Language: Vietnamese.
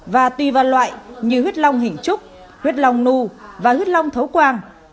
và tùy vào loại như huyết lòng hình trúc huyết lòng nu và huyết lòng thấu quang